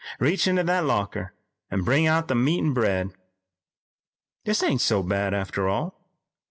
Reach into that locker an' bring out the meat an' bread. This ain't so bad, after all.